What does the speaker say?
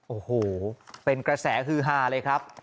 โอ้โหเป็นกระแสฮือฮาเลยครับ